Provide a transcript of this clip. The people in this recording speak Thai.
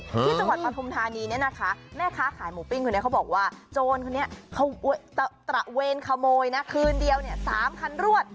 ที่จังหวัดปฐุมธานีเนี่ยนะคะแม่ค้าขายหมูปิ้งคนนี้เขาบอกว่าโจรคนนี้เขาตระเวนขโมยนะคืนเดียวเนี่ย๓คันรวด